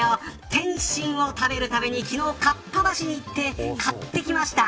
点心を食べるために、昨日合羽橋に行って買ってきました。